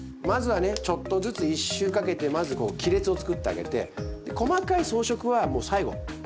まずはねちょっとずつ１周かけてまずこう亀裂をつくってあげて細かい装飾はもう最後。